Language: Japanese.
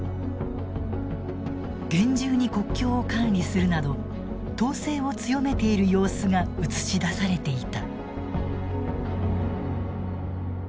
厳重に国境を管理するなど統制を強めている様子が映し出されていた。